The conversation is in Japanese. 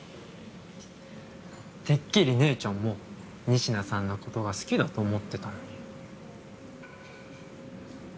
てっきり姉ちゃんも仁科さんのことが好きだと思ってたのに。